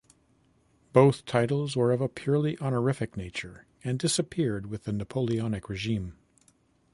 Both titles were of a purely honorific nature and disappeared with the Napoleonic regime.